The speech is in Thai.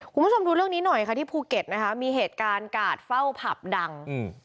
คุณผู้ชมดูเรื่องนี้หน่อยค่ะที่ภูเก็ตนะคะมีเหตุการณ์กาดเฝ้าผับดังอืม